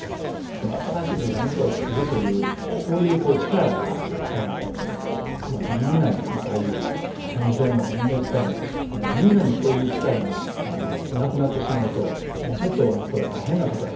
新しく何かをつくるというそういう力がまあみんなに太夫も三味線も人形遣いもみんなにそういう力がなくなってしまうとちょっとこれは大変なことやと思うんですね。